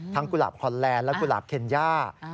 กุหลาบฮอนแลนด์และกุหลาบเคนย่า